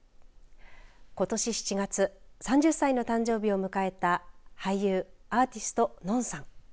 ことし７月３０歳の誕生日を迎えた俳優、アーティストののんさん。